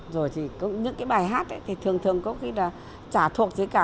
rồi thì những cái bài hát thì thường thường có khi là trả thuộc gì cả